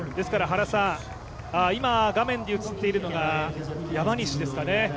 今、画面に映っているのが山西ですかね。